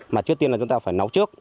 mà trước tiên là chúng ta phải nấu trước